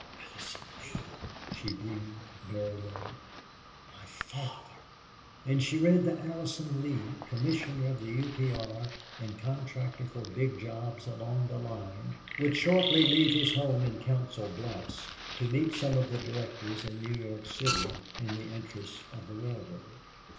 "Allison Lee!" she breathed, very low. "MY FATHER!" And she read that Allison Lee, commissioner of the U. P. R. and contractor for big jobs along the line, would shortly leave his home in Council Bluffs, to meet some of the directors in New York City in the interests of the railroad.